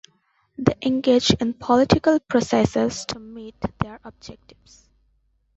They engaged in political processes to meet their objectives.